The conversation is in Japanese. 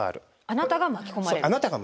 そうあなたが巻き込まれる。